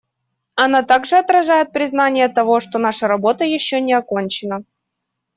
Оно также отражает признание того, что наша работа еще не окончена.